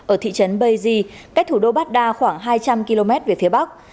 ở thị trấn bayji cách thủ đô baghdad khoảng hai trăm linh km về phía bắc